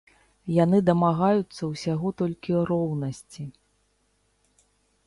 Яны дамагаюцца ўсяго толькі роўнасці.